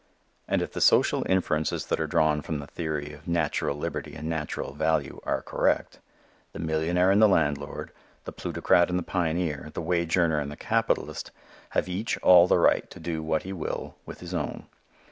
And if the social inferences that are drawn from the theory of natural liberty and natural value are correct, the millionaire and the landlord, the plutocrat and the pioneer, the wage earner and the capitalist, have each all the right to do what he will with his own.